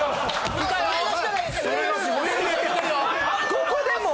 ここでも！？